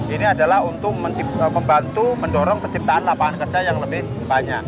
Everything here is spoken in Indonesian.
ini adalah untuk membantu mendorong penciptaan lapangan kerja yang lebih banyak